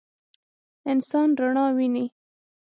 انسان رڼا ویني.